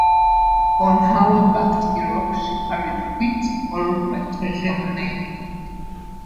On her way back to Europe she carried wheat or potassium nitrate.